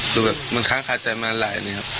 คือแบบมันค้างคาใจมาหลายอย่างนี้ครับ